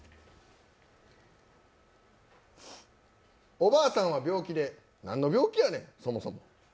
おばあさんは病気で、何の病気やねん、そもそも。